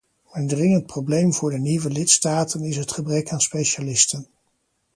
Een dringend probleem voor de nieuwe lidstaten is het gebrek aan specialisten.